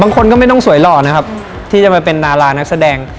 คนก็ไม่ต้องสวยหล่อนะครับที่จะมาเป็นดารานักแสดง